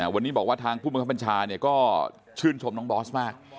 วันนี้บอกว่าทางผู้บังคับบัญชาก็ชื่นชมน้องบอสมาก